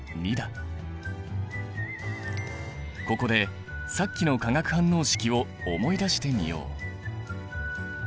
ここでさっきの化学反応式を思い出してみよう。